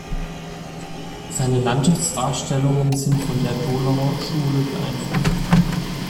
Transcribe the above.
Seine Landschaftsdarstellungen sind von der Donauschule beeinflusst.